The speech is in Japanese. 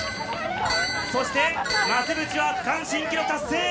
そして増渕は区間新記録を達成！